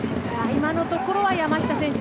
今のところは山下選手